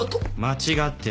間違ってる。